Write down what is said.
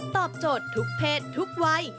ตอบโจทย์ทุกเพศทุกวัย